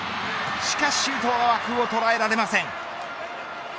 しかしシュートは枠を捉えられません。